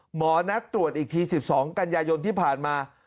หมอนัดตรวจอีกที๑๒กันยายนที่ผ่านมา